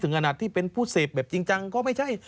ขนาดที่เป็นผู้เสพแบบจริงจังก็ไม่ใช่